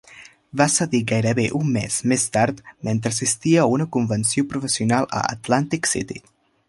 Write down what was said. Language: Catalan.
Va cedir gairebé un mes més tard, mentre assistia a una convenció professional a Atlantic City.